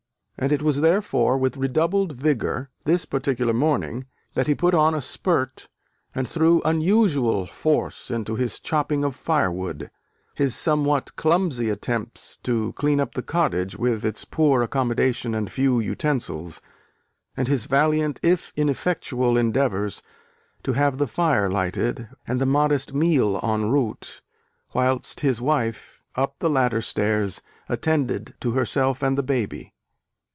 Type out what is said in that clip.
And it was therefore with re doubled vigour, this particular morning, that he put on a spurt, and threw unusual force into his chopping of firewood, his somewhat clumsy attempts to clean up the cottage, with its poor accommodation and few utensils, and his valiant if ineffectual endeavours to have the fire lighted and the modest meal en route, whilst his wife, up the ladder stairs, attended to herself and the baby.